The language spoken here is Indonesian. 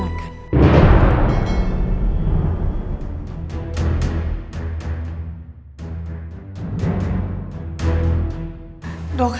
riri sudah dikeluarkan